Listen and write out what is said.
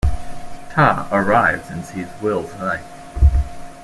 Ta arrives and sees Will's knife.